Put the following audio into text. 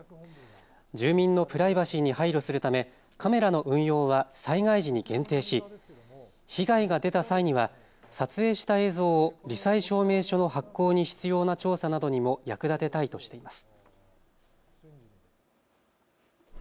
住民のプライバシーに配慮するためカメラの運用は災害時に限定し被害が出た際には撮影した映像をり災証明書の発行に必要な調査などにも役立てたいとしています。